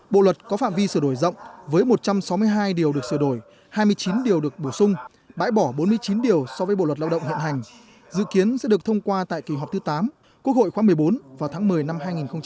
bộ luật có phạm vi sửa đổi rộng với một trăm sáu mươi hai điều được sửa đổi hai mươi chín điều được bổ sung bãi bỏ bốn mươi chín điều so với bộ luật lao động hiện hành dự kiến sẽ được thông qua tại kỳ họp thứ tám quốc hội khóa một mươi bốn vào tháng một mươi năm hai nghìn một mươi chín